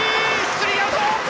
スリーアウト！